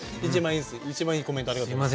一番いいコメントありがとうございます。